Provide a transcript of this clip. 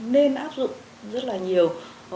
nên áp dụng rất là nhiều